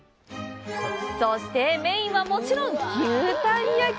そして、メインはもちろん牛たん焼き！